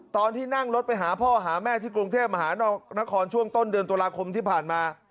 ตอนที่นั่งรถไปหาพ่อหาแม่ที่กรุงเทพมหานครช่วงต้นเดือนตุลาคมที่ผ่านมา